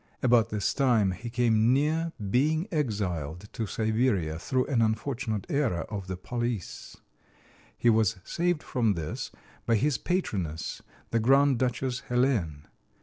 About this time he came near being exiled to Siberia through an unfortunate error of the police. He was saved from this by his patroness, the Grand Duchess Helene.